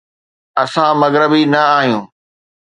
اسان مغربي نه آهيون.